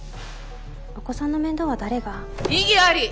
お子さんの面倒は誰が？異議あり！